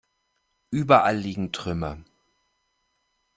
Überall liegen Trümmer.